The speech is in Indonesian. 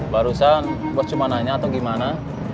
barusan buat cuma nanya atau gimana